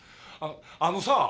あのさ！